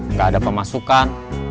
nggak ada pemasukan